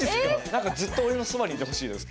なんかずっと俺のそばにいてほしいです。